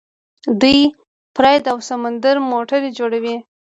دوی پراید او سمند موټرې جوړوي.